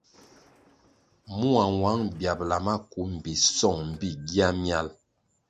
Mua nwang biabla maku mbpi song mbpí gia miál.